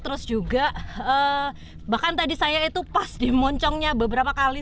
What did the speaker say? terus juga bahkan tadi saya itu pas di moncongnya beberapa kali